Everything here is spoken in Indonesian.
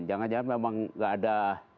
jangan jangan memang nggak ada